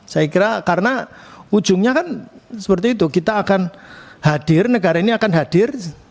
saya kira karena ujungnya kan seperti itu kita akan hadir negara ini akan hadir